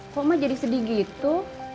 kok mah jadi sedih gitu